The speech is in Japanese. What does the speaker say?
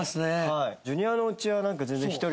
はい。